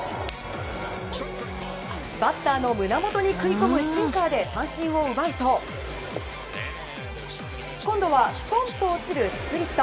バッターの胸元に食い込むシンカーで三振を奪うと今度はストンと落ちるスプリット。